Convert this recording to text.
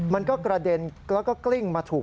มันก็กระเด็นแล้วก็กลิ้งมาถูก